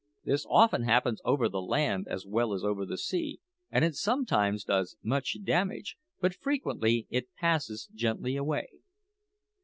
This often happens over the land as well as over the sea; and it sometimes does much damage, but frequently it passes gently away.